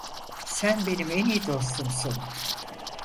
Sen benim en iyi dostumsun.